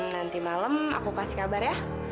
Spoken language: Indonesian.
nanti malam aku kasih kabar ya